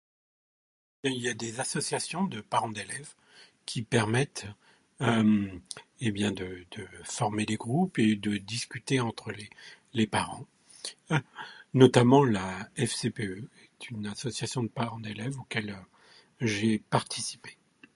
Il y a des associations de parents d'élèves, qui permettent hmmm, eh bien de former des groupes puis de discuter entre les parents ; notamment la FCPE, qui est une association de parents d'élèves auquel j'ai participé.